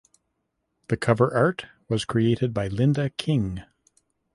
The cover art was created by Linda King.